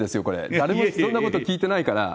誰もそんなこと聞いてないから。